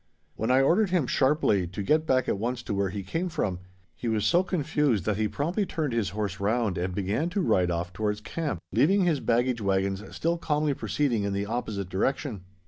When I ordered him sharply to get back at once to where he came from, he was so confused that he promptly turned his horse round and began to ride off towards camp leaving his baggage wagons still calmly proceeding in the opposite direction.